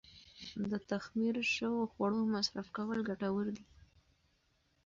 د تخمیر شوو خوړو مصرف کول ګټور دي.